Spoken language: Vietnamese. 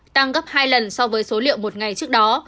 tăng gấp hai lần so với số liệu một ngày trước đó